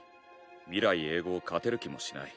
未来永劫勝てる気もしない。